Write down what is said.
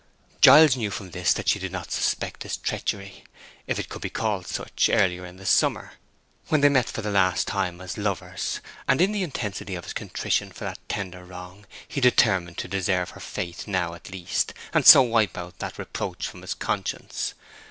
Giles knew from this that she did not suspect his treachery—if it could be called such—earlier in the summer, when they met for the last time as lovers; and in the intensity of his contrition for that tender wrong, he determined to deserve her faith now at least, and so wipe out that reproach from his conscience.